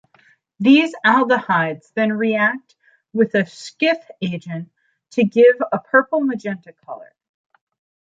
These aldehydes then react with the Schiff reagent to give a purple-magenta color.